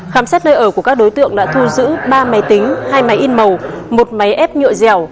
khám xét nơi ở của các đối tượng đã thu giữ ba máy tính hai máy in màu một máy ép nhựa dẻo